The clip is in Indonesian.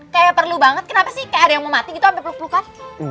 kayak perlu banget kenapa sih kayak ada yang mau mati gitu sampe peluk pelukan